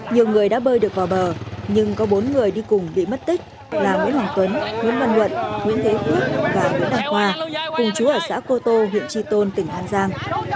nhiều người đã bơi được vào bờ nhưng có bốn người đi cùng bị mất tích là nguyễn hoàng tuấn nguyễn văn luận nguyễn thế quyết và nguyễn đăng khoa cùng chú ở xã cô tô huyện tri tôn tỉnh an giang